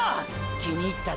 気に入ったで！！